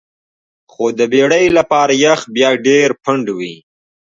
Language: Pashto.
خو د بیړۍ لپاره یخ بیا ډیر پنډ وي